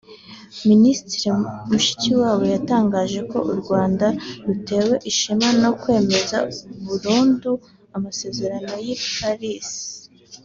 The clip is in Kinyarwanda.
Minisitiri Mushikiwabo yatangaje ko u Rwanda rutewe ishema no kwemeza burundu Amasezerano y’i Paris